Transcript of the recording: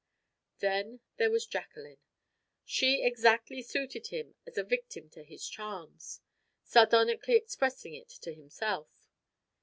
Then there was Jacqueline. She exactly suited him as a victim to his charms, sardonically expressing it to himself.